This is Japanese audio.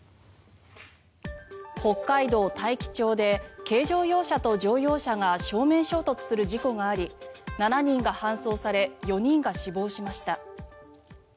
北海道大樹町で軽乗用車と乗用車が正面衝突する事故があり７人が搬送され４人が死亡しました。